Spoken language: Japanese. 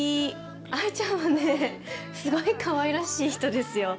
愛ちゃんはすごいかわいらしい人ですよ。